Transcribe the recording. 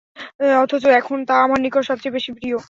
অথচ এখন তা আমার নিকট সবচেয়ে বেশী প্রিয়।